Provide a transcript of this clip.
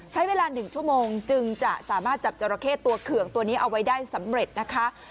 ใช้เวลา๑ชั่วโมงจึงจะสามารถจับจราเข้ตัวเขื่องตัวนี้เอาไว้ได้สำเร็จนะคะ